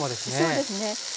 そうですね。